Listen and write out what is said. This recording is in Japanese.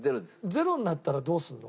ゼロになったらどうするの？